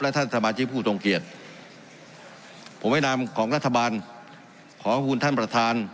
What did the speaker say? ท่านสมาชิกผู้ทรงเกียจผมแนะนำของรัฐบาลขอบคุณท่านประธาน